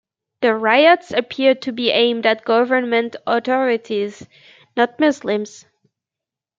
The riots appeared to be aimed at government authorities, not Muslims.